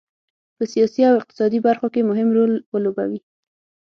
په سیاسي او اقتصادي برخو کې مهم رول ولوبوي.